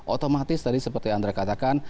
otomatis tadi seperti andre katakan